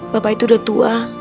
bapak itu udah tua